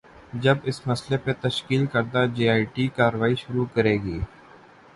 جب اس مسئلے پہ تشکیل کردہ جے آئی ٹی کارروائی شروع کرے گی۔